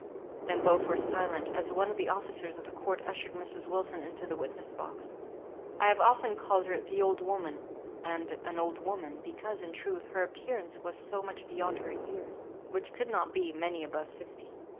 Then both were silent, as one of the officers of the court ushered Mrs. Wilson into the witness box. I have often called her "the old woman," and "an old woman," because, in truth, her appearance was so much beyond her years, which might not be many above fifty.